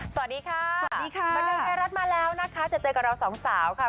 สวัสดีค่ะสวัสดีค่ะมาแล้วนะคะจะเจอกับเราสองสาวค่ะ